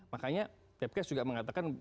makanya depkes juga mengatakan